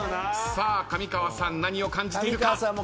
さあ上川さん何を感じているか？